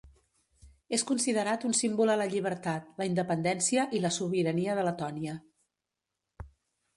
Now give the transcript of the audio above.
És considerat un símbol a la llibertat, la independència i la sobirania de Letònia.